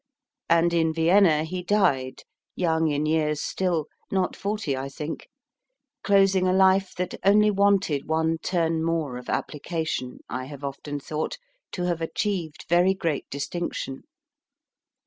And in Vienna he died, young in years still not forty, I think closing a life that only wanted one turn more of application, I have often thought, to have achieved very great dis tinction.